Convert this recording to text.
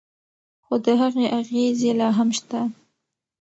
خو د هغې اغیزې لا هم شته.